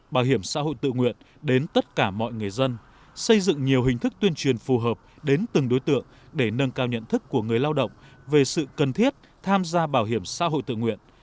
bảo hiểm xã hội tự nguyện đến tất cả mọi người dân xây dựng nhiều hình thức tuyên truyền phù hợp đến từng đối tượng để nâng cao nhận thức của người lao động về sự cần thiết tham gia bảo hiểm xã hội tự nguyện